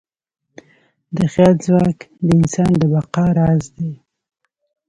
د خیال ځواک د انسان د بقا راز دی.